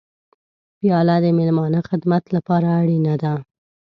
پیاله د میلمانه خدمت لپاره اړینه ده.